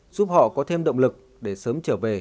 giúp họ có thêm động lực để sớm trở về